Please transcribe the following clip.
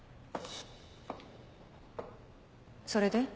それで？